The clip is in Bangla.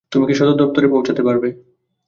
তুমি কি সদর দপ্তরে পৌঁছাতে পারবে?